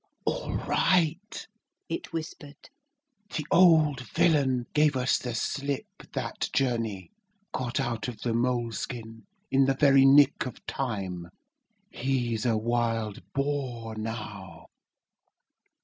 'All right,' it whispered, 'the old villain gave us the slip that journey. Got out of the mole skin in the very nick of time. He's a wild boar now.'